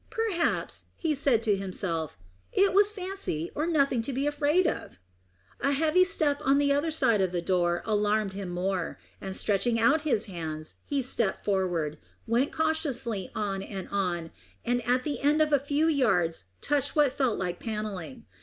"Perhaps," he said to himself, "it was fancy, or nothing to be afraid of." A heavy step on the other side of the door alarmed him more, and stretching out his hands, he stepped forward, went cautiously on and on, and at the end of a few yards touched what felt like panelling.